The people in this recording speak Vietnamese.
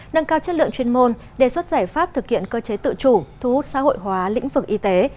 nâng cao chất lượng chuyên môn đề xuất giải pháp thực hiện cơ chế tự chủ thu hút xã hội hóa lĩnh vực y tế